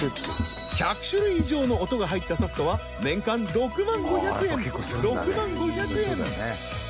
１００種類以上の音が入ったソフトは年間６万５００円６万５００円！